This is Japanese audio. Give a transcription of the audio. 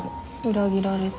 裏切られた。